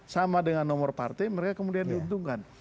sama dengan nomor partai mereka kemudian diuntungkan